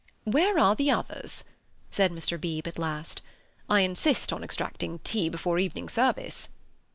"Where are the others?" said Mr. Beebe at last, "I insist on extracting tea before evening service."